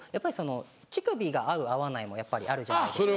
乳首が合う合わないもやっぱりあるじゃないですか。